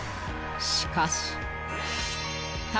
しかし